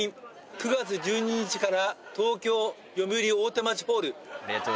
９月１２日から東京よみうり大手町ホール。